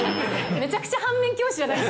めちゃくちゃ反面教師じゃな